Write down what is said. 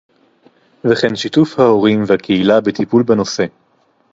וכן שיתוף ההורים והקהילה בטיפול בנושא